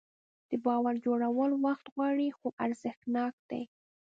د باور جوړول وخت غواړي خو ارزښتناک دی.